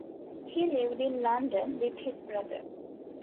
He lived in London with his brother.